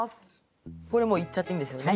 これもういっちゃっていいんですよね？